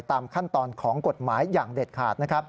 ตามขั้นตอนของกฎหมายอย่างเด็ดขาดนะครับ